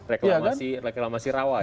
reklamasi rawa ya